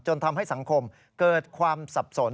ทำให้สังคมเกิดความสับสน